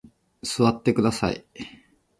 座ってください。